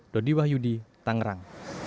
dodi wahyudi tangerang